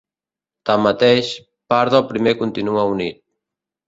Tanmateix, part del primer continua unit.